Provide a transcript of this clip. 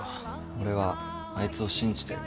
俺はあいつを信じてる。